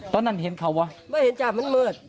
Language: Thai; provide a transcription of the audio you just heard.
ตอนนั้นเห็นเขาวะเดี๋ยวเห็นจ้าวมันเมือด